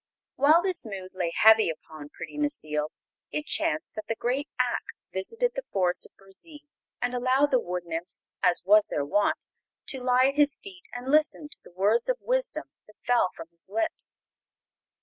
While this mood lay heavy upon pretty Necile it chanced that the great Ak visited the Forest of Burzee and allowed the wood nymphs as was their wont to lie at his feet and listen to the words of wisdom that fell from his lips.